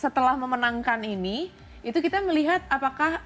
setelah memenangkan ini itu kita melihat apakah